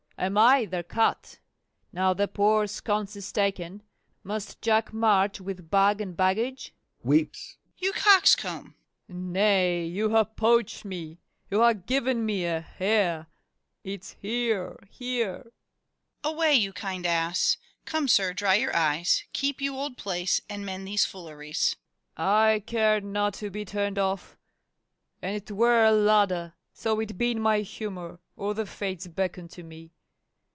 am I their cut? now the poor sconce is taken, must Jack march with bag and baggage? [Weeps.] MORRIS. You coxcomb! FAULKNER. Nay, you ha' poached me; you ha' given me a hair; it's here, hear. MORRIS. Away, you kind ass! come, sir, dry your eyes: Keep you old place, and mend these fooleries. FAULKNER. I care not to be turned off, and 'twere a ladder, so it be in my humor, or the Fates beckon to me.